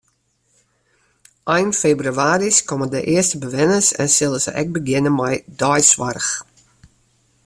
Ein febrewaris komme de earste bewenners en sille se ek begjinne mei deisoarch.